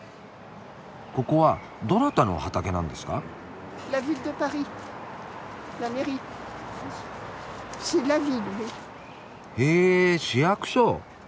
ここはどなたの畑なんですか？へ市役所。